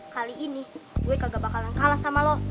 kali ini gue kagak bakalan kalah sama lo